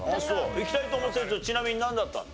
いきたいと思ってたやつちなみになんだったの？